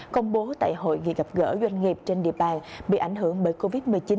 công bố tại hội nghị gặp gỡ doanh nghiệp trên địa bàn bị ảnh hưởng bởi covid một mươi chín